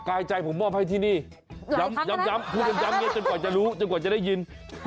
กายใจผมมอบให้ที่นี่ย้ำพูดย้ำจนกว่าจะรู้จนกว่าจะได้ยิน